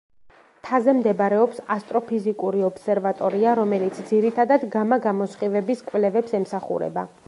მთაზე მდებარეობს ასტროფიზიკური ობსერვატორია, რომელიც ძირითადად გამა-გამოსხივების კვლევებს ემსახურება.